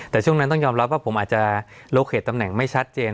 แต่ช่วงนั้นต้องยอมรับว่าผมอาจจะโลเคตตำแหน่งไม่ชัดเจน